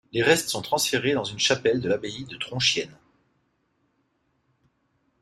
Les restes sont transférés dans une chapelle de l’abbaye de Tronchiennes.